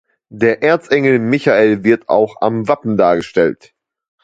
Der Erzengel Michael wird auch am Wappen dargestellt.